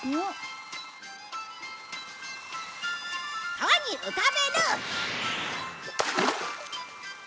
川に浮かべる！